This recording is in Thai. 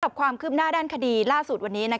สำหรับความคลึกหน้าด้านคดีล่าสุดวันนี้